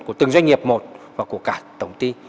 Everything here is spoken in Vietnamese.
của từng doanh nghiệp một và của cả tổng ty